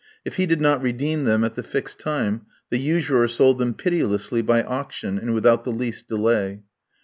If he did not redeem them at the fixed time the usurer sold them pitilessly by auction, and without the least delay.